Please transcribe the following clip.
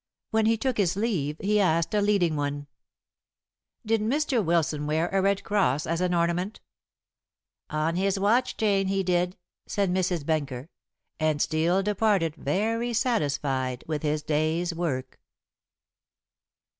When he took his leave he asked a leading one: "Did Mr. Wilson wear a red cross as an ornament?" "On his watch chain he did," said Mrs. Benker, and Steel departed very satisfied with his day's work.